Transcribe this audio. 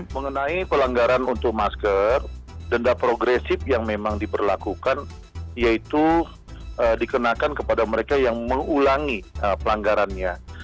mengenai pelanggaran untuk masker denda progresif yang memang diperlakukan yaitu dikenakan kepada mereka yang mengulangi pelanggarannya